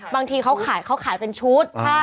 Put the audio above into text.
บางทีเขาขายเป็นชุด